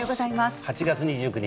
８月２９日